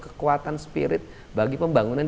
kekuatan spirit bagi pembangunan